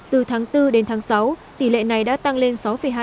từ tháng bốn đến tháng sáu tỷ lệ này đã tăng lên sáu hai